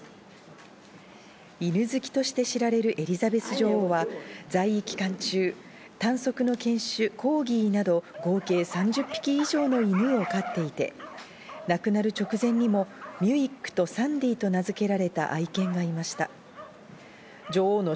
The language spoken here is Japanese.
犬好きとして知られるエリザベス女王は在位期間中、短足の犬種・コーギーなど合計３０匹以上の犬を飼っていて、亡くなる直前にもミュイックとサンディと名付けられた愛犬がいました。